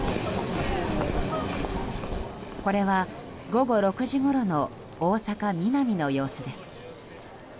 これは午後６時ごろの大阪ミナミの様子です。